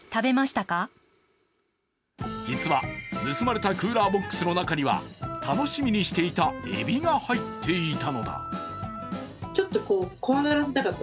実は盗まれたクーラーボックスの中には楽しみにしていたえびが入っていたのだ。